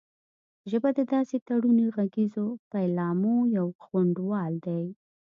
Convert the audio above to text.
ژبه د داسې تړوني غږیزو پيلامو یو غونډال دی